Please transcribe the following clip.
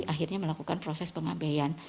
akhirnya melakukan proses pengambeian